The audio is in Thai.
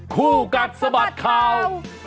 คู่กัดสะบัดข่าว